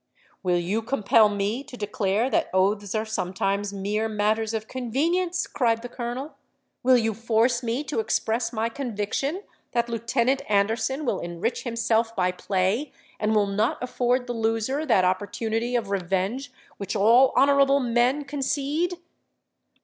'—'Will you compel me to declare that oaths are sometimes mere matters of convenience?' cried the colonel: 'will you force me to express my conviction that Lieutenant Anderson will enrich himself by play, and will not afford the loser that opportunity of revenge which all honourable men concede?'